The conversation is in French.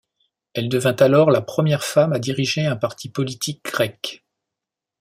Elle devint alors la première femme à diriger un parti politique grec.